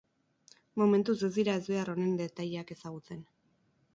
Momentuz ez dira ezbehar honen detaileak ezagutzen.